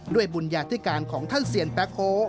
บุญญาธิการของท่านเซียนแป๊โฮ